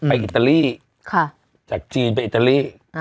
ไปอิตาลีค่ะจากจีนไปอิตาลีอ่า